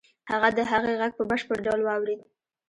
هغه د هغې غږ په بشپړ ډول واورېد.